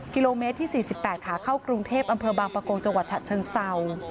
กิโลเมตรที่๔๘ขาเข้ากรุงเทพอำเภอบางประกงจังหวัดฉะเชิงเศร้า